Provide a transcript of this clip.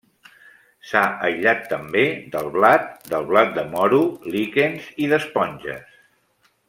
S'ha aïllat també del blat, del blat de moro, líquens i d'esponges.